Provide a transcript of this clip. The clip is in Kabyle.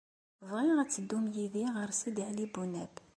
Bɣiɣ ad teddum yid-i ɣer Sidi Ɛli Bunab.